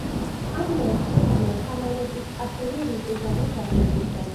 ამ დროს ქვეყანას თამარ მეფის ასული რუსუდანი განაგებდა.